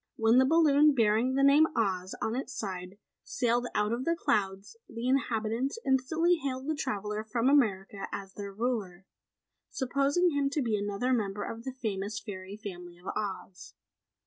When the balloon bearing the name OZ on its side sailed out of the clouds, the inhabitants instantly hailed the traveller from America as their ruler, supposing him to be another member of the famous fairy family of Oz.